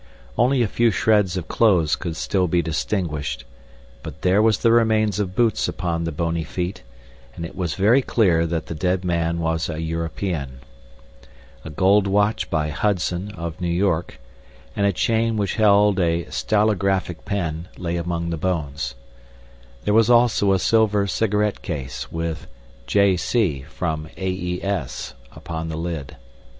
Only a few shreds of clothes could still be distinguished, but there were the remains of boots upon the bony feet, and it was very clear that the dead man was a European. A gold watch by Hudson, of New York, and a chain which held a stylographic pen, lay among the bones. There was also a silver cigarette case, with "J. C., from A. E. S.," upon the lid.